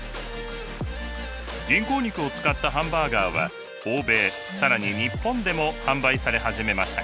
人工肉を使ったハンバーガーは欧米更に日本でも販売され始めました。